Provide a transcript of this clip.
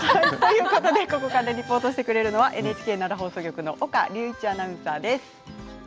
ここからリポートしてくれるのはＮＨＫ奈良放送局の岡隆一アナウンサーです。